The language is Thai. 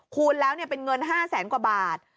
คูณแล้วเนี่ยเป็นเงิน๕๐๐๐๐๐กว่าบาท